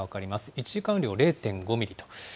１時間雨量０．５ミリと。